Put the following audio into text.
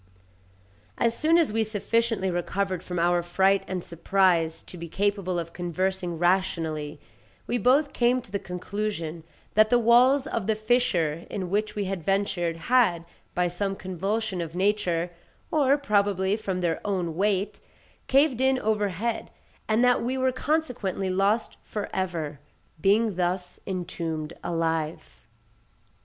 As soon as we sufficiently recovered from our fright and surprise to be capable of conversing rationally, we both came to the conclusion that the walls of the fissure in which we had ventured had, by some convulsion of nature, or probably from their own weight, caved in overhead, and that we were consequently lost for ever, being thus entombed alive.